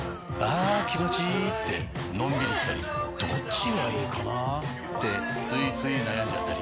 あ気持ちいいってのんびりしたりどっちがいいかなってついつい悩んじゃったり。